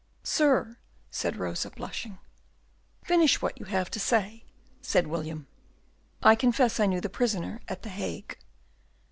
"Sir," said Rosa, blushing. "Finish what you have to say," said William. "I confess I knew the prisoner at the Hague."